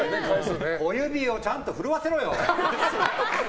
小指をちゃんと振るわせろよ！